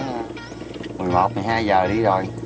một mươi một một mươi hai giờ đi rồi